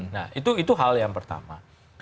nah itu hal yang pertama